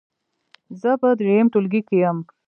زه په دریم ټولګي کې یم.